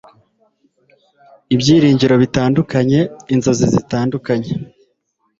ibyiringiro bitandukanye, inzozi zitandukanye. ”